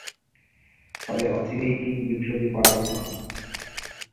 তবে অচিরেই তিন বিপ্লবী পরাভূত হন।